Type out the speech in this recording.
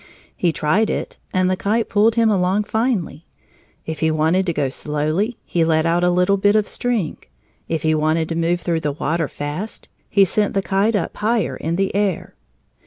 He tried it and the kite pulled him along finely. If he wanted to go slowly, he let out a little bit of string. If he wanted to move through the water fast, he sent the kite up higher in the air.